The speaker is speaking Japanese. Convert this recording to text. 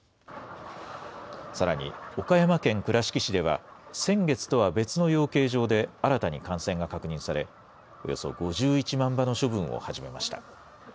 さらに岡山県倉敷市では、先月とは別の養鶏場で新たに感染が確認され、およそ５１万羽の処分を始めました。